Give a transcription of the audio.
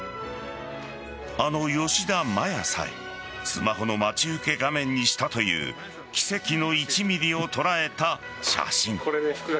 あの吉田麻也さえスマホの待ち受け画面にしたという奇跡の１ｍｍを捉えた写真。